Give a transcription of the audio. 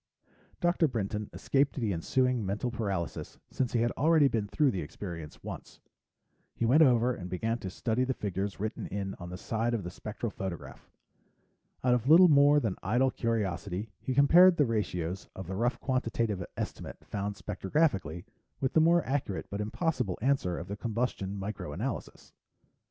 Dr. Brinton escaped the ensuing mental paralysis since he had already been through the experience once. He went over and began to study the figures written in on the side of the spectral photograph. Out of little more than idle curiosity, he compared the ratios of the rough quantitative estimate found spectrographically with the more accurate but impossible answer of the combustion micro analysis.